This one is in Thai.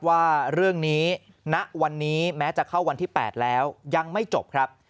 วันนี้แม้จะเข้าวันที่๘แล้วยังไม่จบครับ